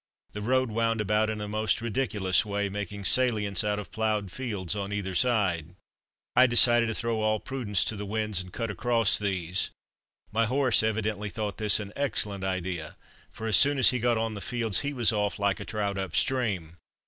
The road wound about in a most ridiculous way, making salients out of ploughed fields on either side. I decided to throw all prudence to the winds, and cut across these. My horse evidently thought this an excellent idea, for as soon as he got on the fields he was off like a trout up stream.